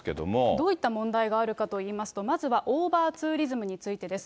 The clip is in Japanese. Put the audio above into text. どういった問題があるかといいますと、まずはオーバーツーリズムについてです。